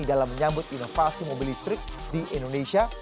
dalam menyambut inovasi mobil listrik di indonesia